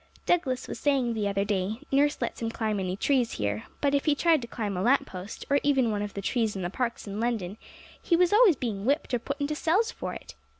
Douglas was saying the other day, nurse lets him climb any trees here; but if he tried to climb a lamp post, or even one of the trees in the parks, in London, he was always being whipped or put into cells for it!